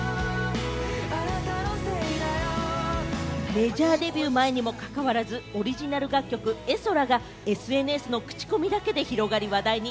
メジャーデビュー前にも関わらず、オリジナル楽曲『絵空』がＳＮＳの口コミだけで広がり話題に。